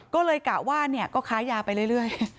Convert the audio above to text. ก็เลยกะว่าก็ค้ายาไปเรื่อย